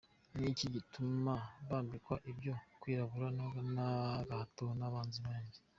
Ni iki gituma nambikwa ibyo kwirabura n’agahato k’abanzi banjye?”